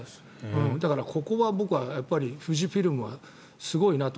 だから、ここは僕は富士フイルムはすごいなと。